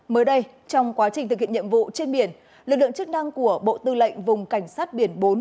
mới đây trong quá trình thực hiện nhiệm vụ trên biển lực lượng chức năng của bộ tư lệnh vùng cảnh sát biển bốn